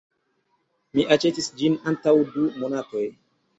Mi aĉetis ĝin antaŭ du monatoj.